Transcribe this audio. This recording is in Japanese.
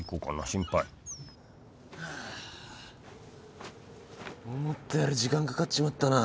心配あ思ったより時間かかっちまったな。